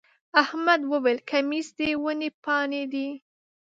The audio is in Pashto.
احمد وويل: کمیس د ونې پاڼې دی.